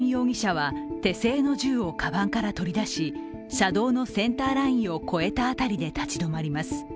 その後、山上容疑者は手製の銃をかばんから取り出し車道のセンターラインを越えた辺りで立ち止まります。